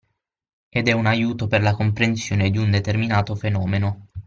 Ed è un aiuto per la comprensione di un determinato fenomeno.